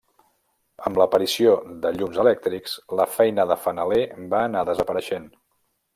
Amb l'aparició de llums elèctrics, la feina de fanaler va anar desapareixent.